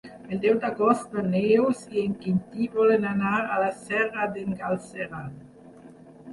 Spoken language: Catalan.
El deu d'agost na Neus i en Quintí volen anar a la Serra d'en Galceran.